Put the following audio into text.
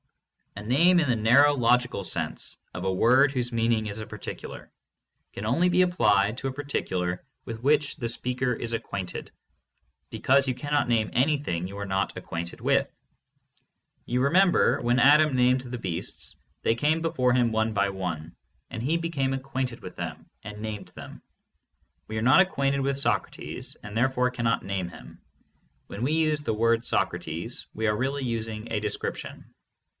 A name, in the narrow logical sense of a word whose meaning is a particu lar, can only be applied to a particular with which the speaker is acquainted, because you cannot name anything you are not acquainted with. You remember, when Adam named the beasts, they came before him one by one, and he became acquainted with them and named them. We are not acquainted with Socrates, and therefore cannot name him. When we use the word "Socrates," we are really using a description.